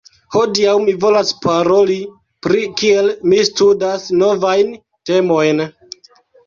Hodiaŭ mi volas paroli pri kiel mi studas novajn temojn